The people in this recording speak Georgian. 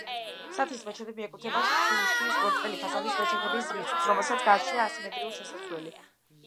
საათლის მეჩეთი მიეკუთვნება შუშის ბრტყელი ფასადის მეჩეთების რიცხვს, რომელსაც გააჩნია ასიმეტრიული შესასვლელი.